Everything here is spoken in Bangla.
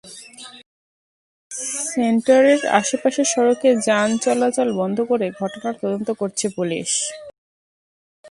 সেন্টারের আশপাশের সড়কে যান চলাচল বন্ধ করে ঘটনার তদন্ত করছে পুলিশ।